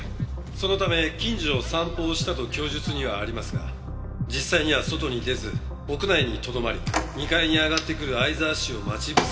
そのため近所を散歩をしたと供述にはありますが実際には外に出ず屋内にとどまり２階に上がってくる逢沢氏を待ち伏せして。